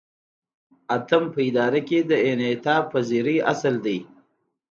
اتم په اداره کې د انعطاف پذیری اصل دی.